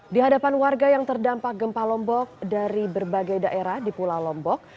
di hadapan warga yang terdampak gempa lombok dari berbagai daerah di pulau lombok